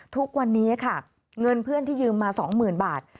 ทุกวันนี้ค่ะเงินเพื่อนที่ยืมมา๒๐๐๐บาท